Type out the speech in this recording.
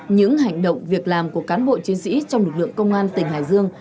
những hành động việc làm của cán bộ chiến sĩ trong lực lượng công an tỉnh hải dương